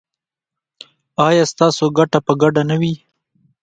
ایا ستاسو ګټه به ګډه نه وي؟